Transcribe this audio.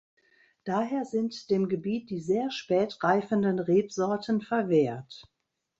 Daher sind dem Gebiet die sehr spät reifenden Rebsorten verwehrt.